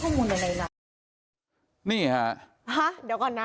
เจ้าบอกอย่างนี้แล้วเจ้าก็ไม่ให้ข้อมูลอะไรอย่างนั้น